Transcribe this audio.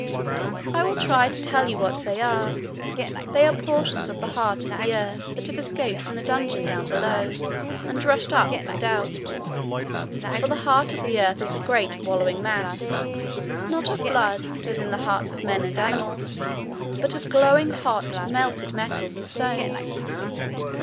I will try to tell you what they are. They are portions of the heart of the earth that have escaped from the dungeon down below, and rushed up and out. For the heart of the earth is a great wallowing mass, not of blood, as in the hearts of men and animals, but of glowing hot, melted metals and stones.